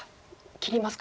切りますか。